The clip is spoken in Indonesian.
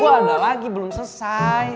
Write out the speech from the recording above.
belum ada lagi belum selesai